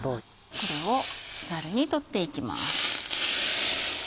これをザルに取っていきます。